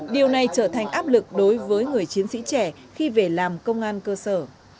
điều này trở thành áp lực đối với người chiến sĩ trẻ khi về làm công an cơ sở